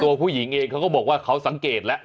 ตัวผู้หญิงเองเขาก็บอกว่าเขาสังเกตแล้ว